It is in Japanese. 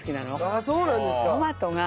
ああそうなんですか。